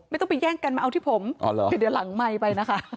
ไม่ต้องไปแย่งกันมาเอาที่ผมเดี๋ยวหลังไมค์ไปนะคะ